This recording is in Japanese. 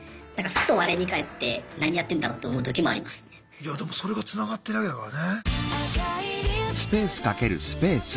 いやでもそれがつながってるわけだからね。